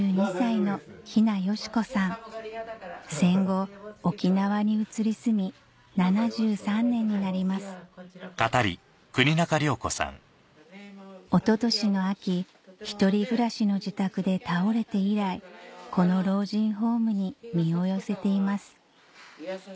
戦後沖縄に移り住み７３年になりますおととしの秋１人暮らしの自宅で倒れて以来この老人ホームに身を寄せています